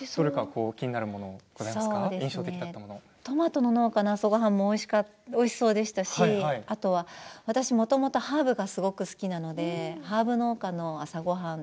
トマトの農家の朝ごはんもおいしそうでしたし私はもともとハーブが好きなのでハーブ農家の朝ごはん